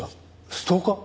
ストーカー？